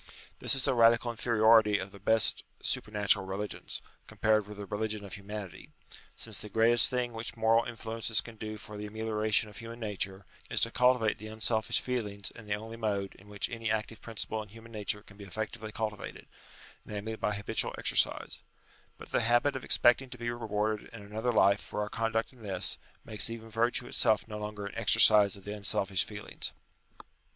This is a radical inferiority of the best supernatural religions, compared with the Eeligion of Humanity; since the greatest thing which moral influences can do for the ameliora tion of human nature, is to cultivate the unselfish feelings in the only mode in which any active principle in human nature can be effectually cultivated, namely by habitual exercise : but the habit of expecting ta be rewarded in another life for our conduct in this, makes even virtue itself no longer an exercise of the unselfish feelings.